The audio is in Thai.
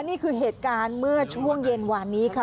นี่คือเหตุการณ์เมื่อช่วงเย็นวานนี้ค่ะ